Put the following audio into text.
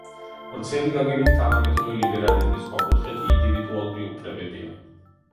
ვრცელი გაგებით თანამედროვე ლიბერალიზმის ქვაკუთხედი ინდივიდუალური უფლებებია.